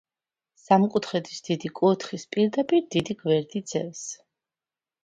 სამკუთხედის დიდი კუთხის პირდაპირ დიდი გვერდი ძევს.